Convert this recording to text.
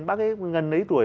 bác ấy gần nấy tuổi